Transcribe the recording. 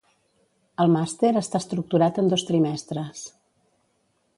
El màster està estructurat en dos trimestres.